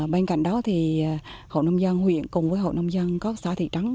bên cạnh đó thì hộ nông dân huyện cùng với hộ nông dân cóc xã thị trắng